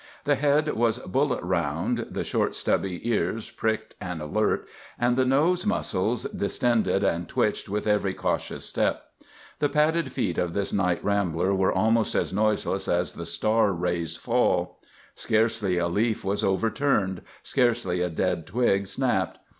The head was bullet round, the short, stubby ears pricked and alert, and the nose muscles distended and twitched with every cautious step. The padded feet of this night rambler were almost as noiseless as the star rays' fall. Scarcely a leaf was overturned, scarcely a dead twig snapped.